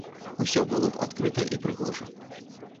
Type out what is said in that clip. Усё было б адкрыта і прыгожа!